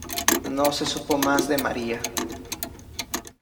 No se supo más de María.